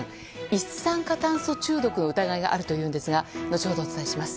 一酸化炭素中毒の疑いがあるというんですが後ほどお伝えします。